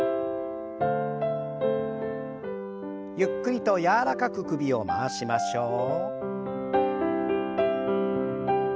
ゆっくりと柔らかく首を回しましょう。